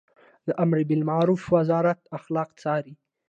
د امربالمعروف وزارت اخلاق څاري